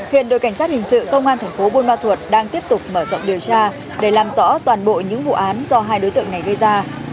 hiện đội cảnh sát hình sự công an tp bumathua đang tiếp tục mở rộng điều tra để làm rõ toàn bộ những vụ án do hai đối tượng này gây ra